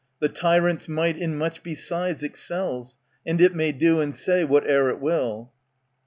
The tyrant's might in much besides excels. And it may do and say whatever it will.